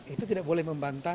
itu tidak boleh membantah